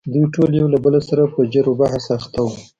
دوی ټول یو له بل سره په جر و بحث اخته وو.